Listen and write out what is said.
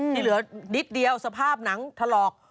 ที่เหลือนิดเดียวสภาพหนังถลอก